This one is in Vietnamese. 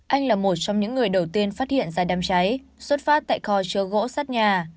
anh là một trong những người đầu tiên phát hiện ra đám cháy xuất phát tại kho chứa gỗ sắt nhà